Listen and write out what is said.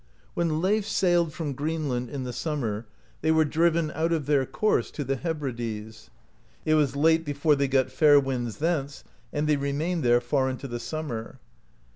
When Leif sailed from Greenland, in the summer, they were driven out of their course to the Hebrides. It was late before they got fair winds thence, and they remained there far into the summer.